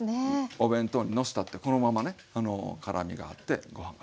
お弁当にのせたってこのままね辛みがあってご飯が進みます。